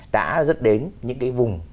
đã dẫn đến những cái vùng